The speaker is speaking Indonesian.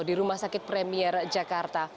di rumah sakit premier jakarta